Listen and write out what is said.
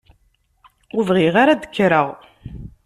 Ur bɣiɣ ara ad d-kkreɣ!